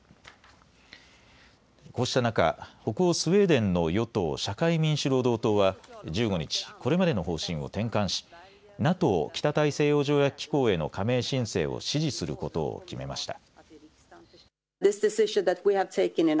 こうした中、北欧スウェーデンの与党社会民主労働党は１５日、これまでの方針を転換しＮＡＴＯ・北大西洋条約機構への加盟申請を支持することを決めました。